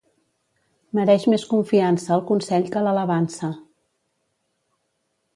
Mereix més confiança el consell que l'alabança.